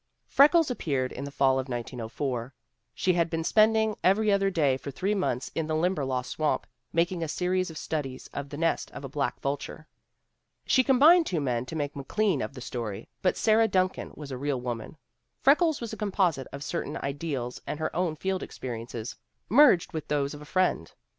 ). Freckles appeared in the fall of 1904. She had been spending every other day for three months in the Limberlost swamp, making a series of studies of the nest of a black vulture. She combined two men to make'McLean of the story, but Sarah Duncan was a real woman; Freckles was a composite of certain ideals and her own field experiences, merged with those of a friend.